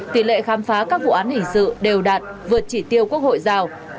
tỷ lệ khám phá các vụ án hình sự đều đạt vượt chỉ tiêu quốc hội giao